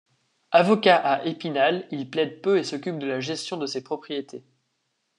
Avocat à Épinal, il plaide peu et s'occupe de la gestion de ses propriétés.